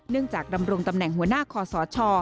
จากดำรงตำแหน่งหัวหน้าคอสช